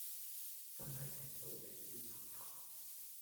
真係清到鼻尖黑頭